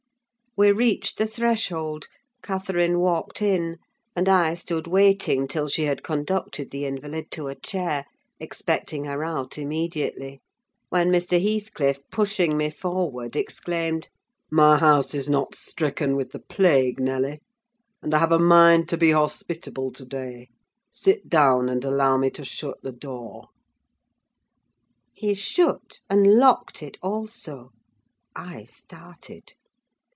We reached the threshold; Catherine walked in, and I stood waiting till she had conducted the invalid to a chair, expecting her out immediately; when Mr. Heathcliff, pushing me forward, exclaimed—"My house is not stricken with the plague, Nelly; and I have a mind to be hospitable to day: sit down, and allow me to shut the door." He shut and locked it also. I started.